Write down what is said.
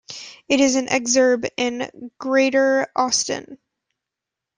It is an exurb in Greater Austin.